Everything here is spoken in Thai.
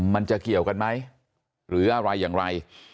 มันจะเกี่ยวกันไหมหรืออะไรอย่างไร